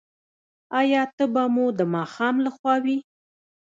ایا تبه مو د ماښام لخوا وي؟